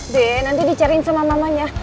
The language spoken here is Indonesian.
deh nanti dicariin sama mamanya